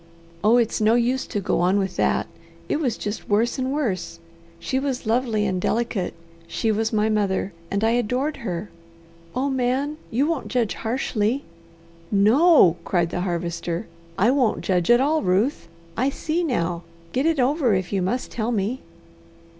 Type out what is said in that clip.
Oh it's no use to go on with that! It was just worse and worse. She was lovely and delicate, she was my mother, and I adored her. Oh Man! You won't judge harshly?" "No!" cried the Harvester, "I won't judge at all, Ruth. I see now. Get it over if you must tell me."